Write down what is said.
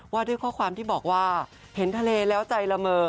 ว่าด้วยข้อความที่บอกว่าเห็นทะเลแล้วใจละเมอ